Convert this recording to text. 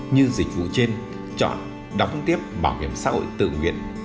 như dịch vụ trên chọn đóng tiếp bảo hiểm xã hội tự nguyện